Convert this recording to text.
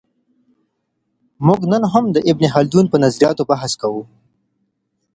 موږ نن هم د ابن خلدون په نظریاتو بحث کوو.